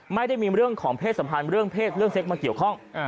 ไม่ได้มีเรื่องของเพศสัมพันธ์เรื่องเพศเรื่องเซ็กมาเกี่ยวข้อง